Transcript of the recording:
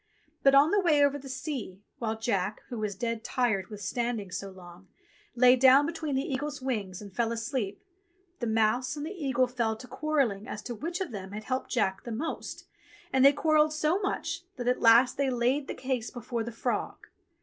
But on the way over the sea, while Jack, who was dead tired with standing so long, lay down between the eagle's wings and fell asleep, the mouse and the eagle fell to quarrelling as to which of them had helped Jack the most, and they quarrelled so much that at last they laid the case before the frog.